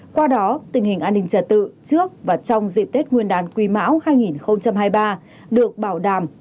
qua đó tình hình an ninh trật tự trước và trong dịp tết nguyên đàn quy mão hai nghìn hai mươi ba được bảo đảm